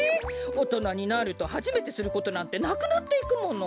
おとなになるとはじめてすることなんてなくなっていくもの。